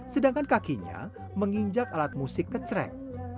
sedangkan kakinya menginjak alat musik kecrek